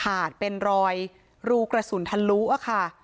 เป็นรอยรูกระสุนทะลุค่ะ